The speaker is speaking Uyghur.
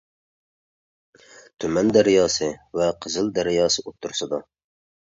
تۈمەن دەرياسى ۋە قىزىل دەرياسى ئوتتۇرىسىدا.